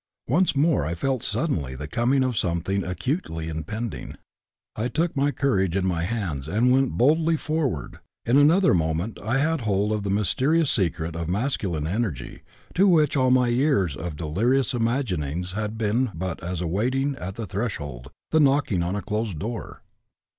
Once more I felt suddenly the coming of something acutely impending; I took my courage in my hands and went boldly forward. In another moment I had hold of the mysterious secret of masculine energy, to which all my years of dilirious imaginings had been but as a waiting at the threshold, the knocking on a closed door.